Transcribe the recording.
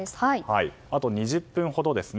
あと２０分ほどです。